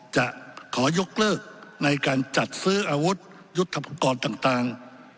จะขอยกเลิกในการจัดซื้ออาวุธยุทธปกรณ์ต่าง